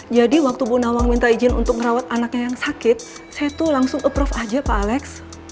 jadi waktu bu nawang minta izin untuk ngerawat anaknya yang sakit saya tuh langsung approve aja pak alex